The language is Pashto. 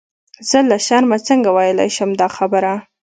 زه له شرمه څنګه ویلای شم دا خبره.